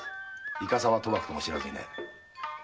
いかさま賭博とも知らずにね。